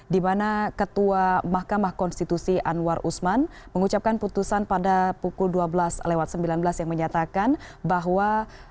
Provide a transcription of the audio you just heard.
dimana ketua mahkamah konstitusi anwar usman mengucapkan putusan pada pukul dua belas sembilan belas yang menyatakan bahwa